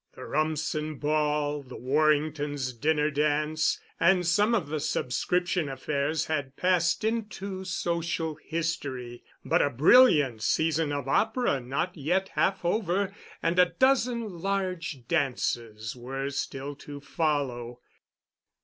The Rumsen ball, the Warringtons' dinner dance, and some of the subscription affairs had passed into social history, but a brilliant season of opera not yet half over and a dozen large dances were still to follow.